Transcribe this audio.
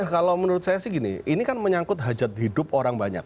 kalau menurut saya sih gini ini kan menyangkut hajat hidup orang banyak